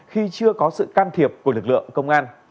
khi chưa có sự can thiệp của lực lượng công an